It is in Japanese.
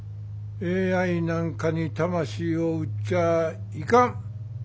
ＡＩなんかに魂を売っちゃいかん。